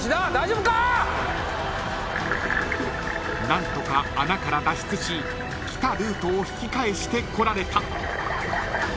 ［何とか穴から脱出し来たルートを引き返してこられた］